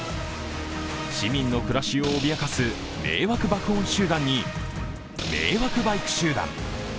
市民の暮らしを脅かす迷惑爆音集団に迷惑バイク集団。